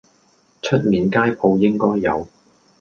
出面街舖應該有